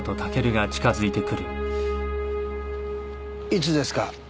いつですか？